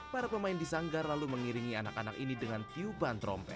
para pemain disanggar lalu mengiringi anak anak ini dengan tiupan trompet